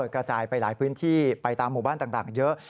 กระจายไปหลายพื้นที่ไปตามหมู่บ้านต่างเยอะ